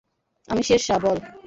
আমি শেরশাহ, বল।